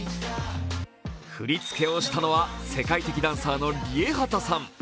振り付けをしたのは、世界的ダンサーのＲＩＥＨＡＴＡさん。